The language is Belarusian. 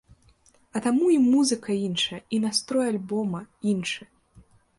А таму і музыка іншая, і настрой альбома іншы.